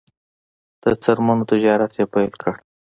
د څرمنو تجارت یې پیل کړ.